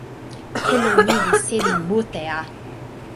telo ni li seli mute a.